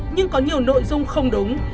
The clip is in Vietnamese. nhưng có nhiều nội dung không đúng